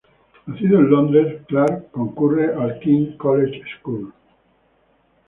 Nacido en Londres, Clark concurre al King's College School.